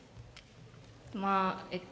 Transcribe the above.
まあえっと